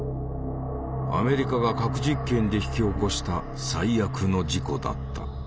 アメリカが核実験で引き起こした最悪の事故だった。